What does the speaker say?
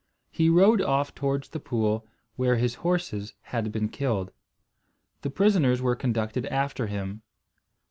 He rode off towards the pool, where his horses had been killed. The prisoners were conducted after him.